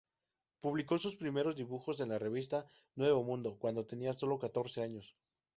Publicó sus primeros dibujos en la revista "Nuevo Mundo" cuando tenía sólo catorce años.